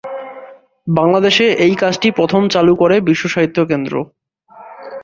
বাংলাদেশে এই কাজটি প্রথম চালু করে বিশ্ব সাহিত্য কেন্দ্র।